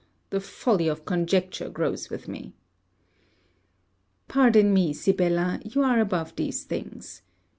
The folly of conjecture grows with me. Pardon me, Sibella, you are above these things.